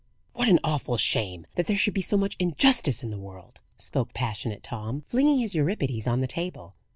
"What an awful shame that there should be so much injustice in the world!" spoke passionate Tom, flinging his Euripides on the table.